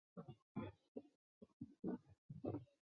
结果是葡萄糖的降解被抑制。